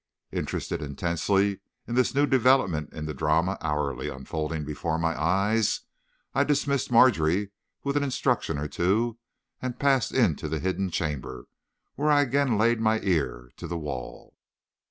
Interested intensely in this new development in the drama hourly unfolding before my eyes, I dismissed Margery with an instruction or two, and passed into the hidden chamber, where I again laid my ear to the wall.